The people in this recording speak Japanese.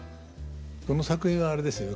この作品はあれですよね